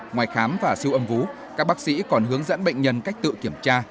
ngoài khám và siêu âm vú các bác sĩ còn hướng dẫn bệnh nhân cách tự kiểm tra